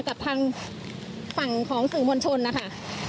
กับทางฝั่งของสื่อมวลชนนะคะ